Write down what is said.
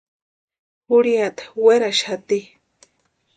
Jurhiata werhaxati.